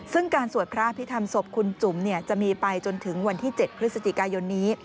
ซึ่งการสวดพระอภิษฐรรมศพคุณจุ๋มจะมีไปจนถึงวันที่๗พฤศจิกายนนี้